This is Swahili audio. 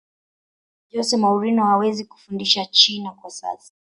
jose mourinho hawezi kufundisha china kwa sasa